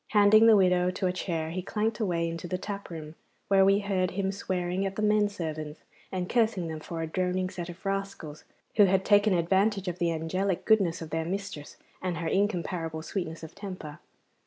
Handing the widow to a chair he clanked away into the tap room, where we heard him swearing at the men servants, and cursing them for a droning set of rascals who had taken advantage of the angelic goodness of their mistress and her incomparable sweetness of temper.